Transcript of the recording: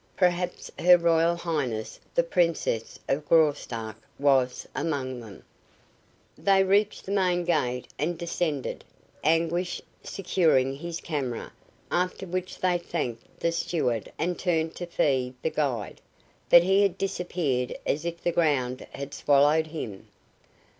Perhaps Her Royal Highness, the Princess of Graustark, was among them. They reached the main gate and descended, Anguish securing his camera, after which they thanked the steward and turned to fee the guide. But he had disappeared as if the ground had swallowed him.